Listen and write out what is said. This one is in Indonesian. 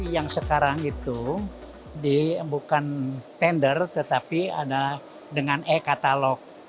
yang sekarang itu bukan tender tetapi adalah dengan e katalog